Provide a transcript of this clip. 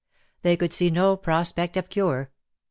They could see no pro spect of cure.